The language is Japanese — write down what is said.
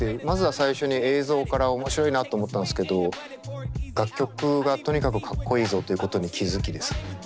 まずは最初に映像から面白いなと思ったんすけど楽曲がとにかくかっこいいぞということに気付きですね